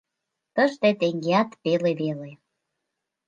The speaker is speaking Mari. Тыште теҥгеат пеле веле...